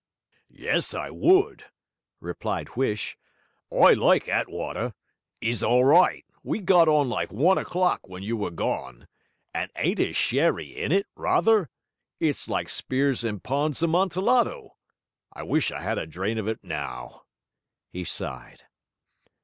'Yes, I would,' replied Huish. 'I like Attwater. 'E's all right; we got on like one o'clock when you were gone. And ain't his sherry in it, rather? It's like Spiers and Ponds' Amontillado! I wish I 'ad a drain of it now.' He sighed.